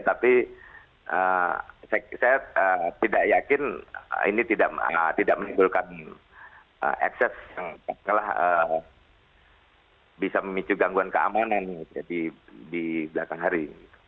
tapi saya tidak yakin ini tidak menimbulkan ekses yang bisa memicu gangguan keamanan nih di belakang hari